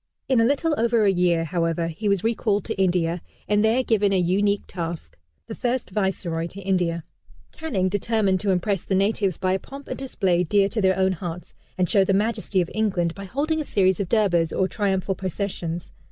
In a little over a year, however, he was recalled to India, and there given a unique task. The first Viceroy to India, Canning, determined to impress the natives by a pomp and display dear to their own hearts, and show the majesty of England, by holding a series of Durbars, or triumphal processions.